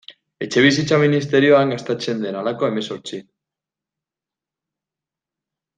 Etxebizitza ministerioan gastatzen den halako hemezortzi.